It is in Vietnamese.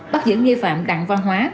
bắt giữ nghi phạm đặng văn hóa